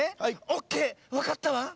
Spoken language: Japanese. オッケーわかったわ。